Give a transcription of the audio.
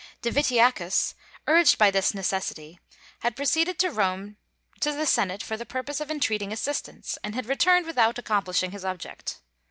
Divitiacus, urged by this necessity, had proceeded to Rome to the Senate for the purpose of entreating assistance, and had returned without accomplishing his object.